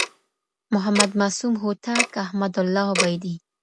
محمدمعصوم هوتک احمدالله عبيدي